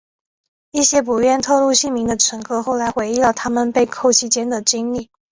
一些不愿透露姓名的乘客后来回忆了他们被扣期间的经历。